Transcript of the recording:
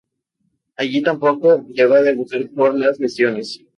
Allí tampoco llegó a debutar por las lesiones.